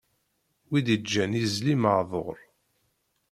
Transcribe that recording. Wi d-iǧǧan izli maɛduṛ.